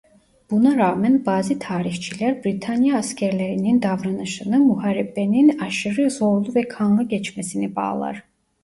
Buna rağmen bazı tarihçiler Britanya askerlerinin davranışını muharebenin aşırı zorlu ve kanlı geçmesine bağlar.